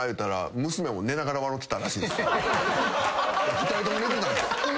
２人とも寝てたんす。